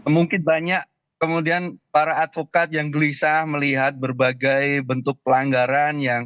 mungkin banyak kemudian para advokat yang gelisah melihat berbagai bentuk pelanggaran yang